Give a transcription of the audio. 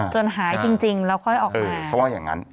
หายจริงแล้วค่อยออกดูเขาว่าอย่างนั้น